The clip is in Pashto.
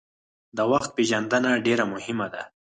د وخت پېژندنه ډیره مهمه ده.